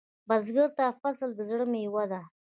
بزګر ته فصل د زړۀ میوه ده